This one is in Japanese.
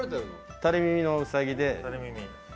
垂れ耳のうさぎで。